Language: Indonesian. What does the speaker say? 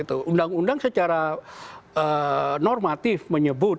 undang undang secara normatif menyebut